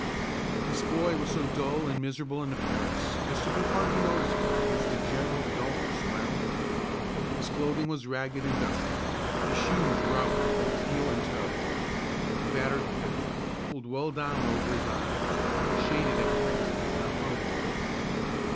This boy was so dull and miserable in appearance as to be hardly noticeable against the general dulness around him. His clothing was ragged and dusty, his shoes were out at both heel and toe. The battered hat, pulled well down over his eyes, shaded a haggard and a hungry face.